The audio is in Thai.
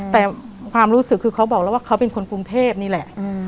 แต่ความรู้สึกคือเขาบอกแล้วว่าเขาเป็นคนกรุงเทพนี่แหละ